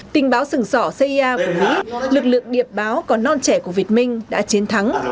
tình báo sừng sỏ cia của mỹ lực lượng điệp báo có non trẻ của việt minh đã chiến thắng